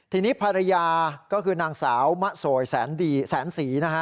ทีนี้ภรยาก็คือนางสาวมะสวยแซนสี